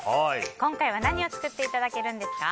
今日は何を作っていただけるんですか？